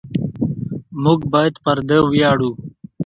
موږ باید پر ده وویاړو.